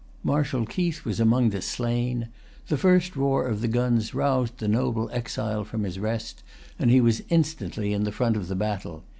Marshal Keith was among the slain. The first roar of the guns roused the noble exile from his rest, and he was instantly in the front of the battle.